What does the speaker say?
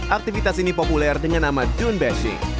aktivitas ini populer dengan nama dune bashing